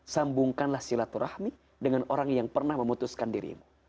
sambungkanlah silaturahmi dengan orang yang pernah memutuskan dirimu